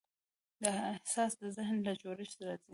دا احساس د ذهن له جوړښت راځي.